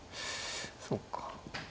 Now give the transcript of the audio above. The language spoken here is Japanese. そっか。